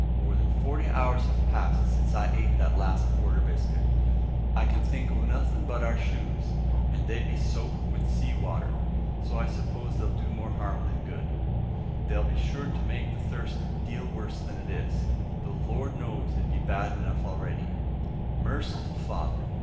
More than forty hours have passed since I ate that last quarter biscuit. I can think o' nothing but our shoes, and they be so soaked wi' the sea water, I suppose they'll do more harm than good. They'll be sure to make the thirst a deal worse than it is, though the Lord knows it be bad enough a'ready. Merciful Father!